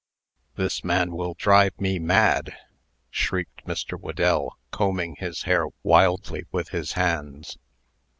"This man will drive me mad!" shrieked Mr. Whedell, combing his hair wildly with his hands.